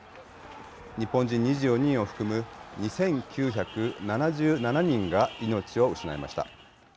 日本人２４人を含む２９７７人が命を失いました。